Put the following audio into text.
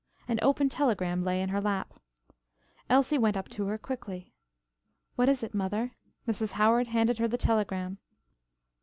An open telegram lay in her lap. Elsie went up to her quickly. "What is it, mother?" Mrs. Howard handed her the telegram.